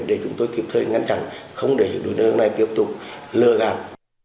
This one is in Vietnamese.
để chúng tôi kịp thời ngăn chặn không để đối tượng này tiếp tục lừa gạt